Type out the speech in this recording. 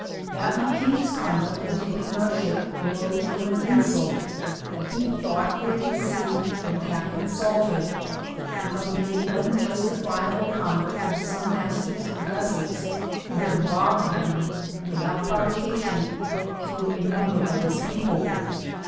That Maquina's conduct in taking our ship, arose from an insult that he thought be had received from captain Salter, and from the unjustifiable conduct of some masters of vessels, who had robbed him, and without provo, cation, killed a number of his people.